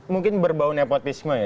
mungkin berbau nepotisme ya